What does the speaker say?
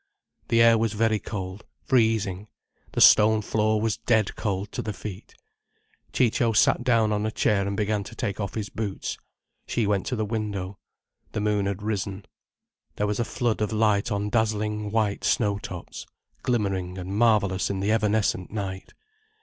The air was very cold, freezing, the stone floor was dead cold to the feet. Ciccio sat down on a chair and began to take off his boots. She went to the window. The moon had risen. There was a flood of light on dazzling white snow tops, glimmering and marvellous in the evanescent night.